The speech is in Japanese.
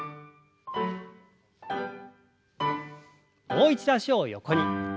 もう一度脚を横に。